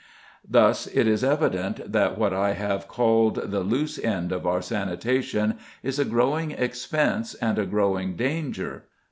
Thus it is evident that what I have called the loose end of our sanitation is a growing expense and a growing danger.